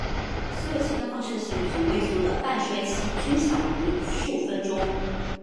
所有其他放射性同位素的半衰期均小于数分钟。